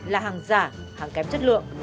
là hàng giả hàng kém chất lượng